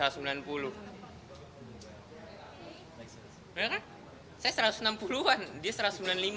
saya satu ratus enam puluh an dia satu ratus sembilan puluh lima